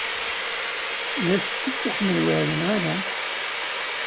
D asefk i Si Ḥmed Waɛli, neɣ ala?